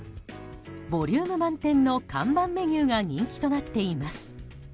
ボリューム満点の看板メニューが人気となっています。